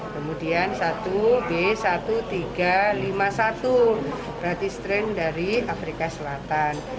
kemudian satu b satu tiga lima satu berarti strain dari afrika selatan